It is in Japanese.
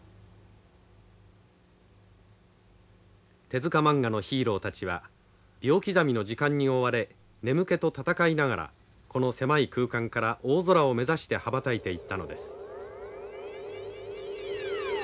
手塚マンガのヒーローたちは秒刻みの時間に追われ眠気と闘いながらこの狭い空間から大空を目指して羽ばたいていったのです。